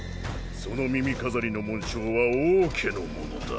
その耳飾りの紋章は王家のものだ。